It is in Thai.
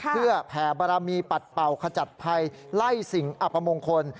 เพื่อแผ่บระมีปัดเป่าขจัดไพไล่สิงห์อะปมงคล